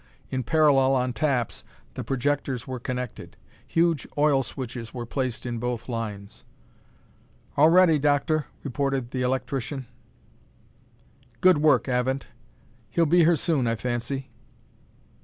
In parallel on taps, the projectors were connected. Huge oil switches were placed in both lines. "All ready, Doctor," reported the electrician. "Good work, Avent. He'll be here soon, I fancy."